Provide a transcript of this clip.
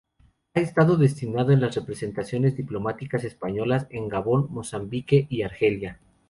Ha estado destinado en las representaciones diplomáticas españolas en Gabón, Mozambique y Argelia.